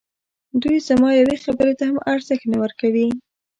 دوی زما یوې خبري ته هم ارزښت نه ورکوي.